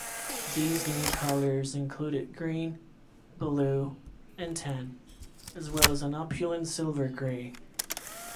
These new colors included green, blue and tan as well as an opulent silver-gray.